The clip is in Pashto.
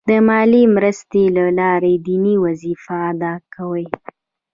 د مالي مرستې له لارې دیني وظیفه ادا کوي.